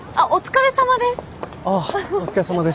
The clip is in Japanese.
あっお疲れさまです！